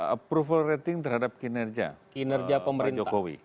approval rating terhadap kinerja pak jokowi